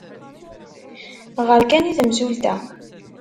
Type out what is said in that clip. Ɣer kan i temsulta.